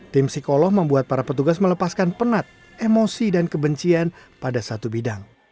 tim psikolog membuat para petugas melepaskan penat emosi dan kebencian pada satu bidang